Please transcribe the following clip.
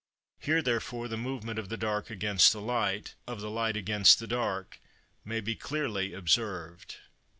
Here, therefore, the movement of the dark against the light, of the light against the dark, may be clearly observed.